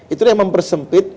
itu yang mempersempit